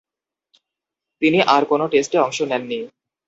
তিনি আর কোন টেস্টে অংশ নেননি।